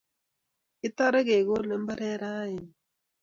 Kitare kegole imbaret raini